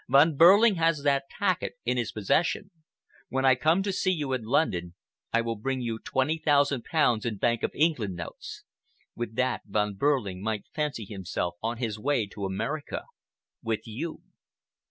Von Behrling has that packet in his possession. When I come to see you in London, I will bring you twenty thousand pounds in Bank of England notes. With that Von Behrling might fancy himself on his way to America—with you."